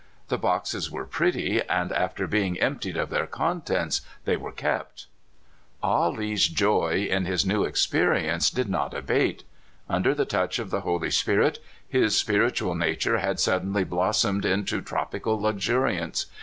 The boxes were pretty, and, after being emptied of their contents, they were kept. Ah Lee's joy in his new experience did not abate. Under the touch of the Holy Spirit, his spiritual nature had suddenly blossomed into trop ical luxuriance.